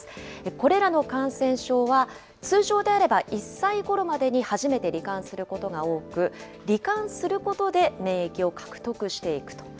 これらの感染症は、通常であれば１歳ごろまでに初めてり患することが多く、り患することで免疫を獲得していくと。